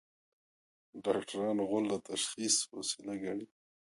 ډاکټران غول د تشخیص وسیله ګڼي.